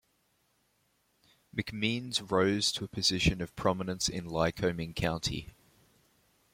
McMeens rose to a position of prominence in Lycoming County.